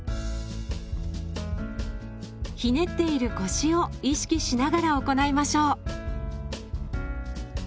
ひねっている腰を意識しながら行いましょう。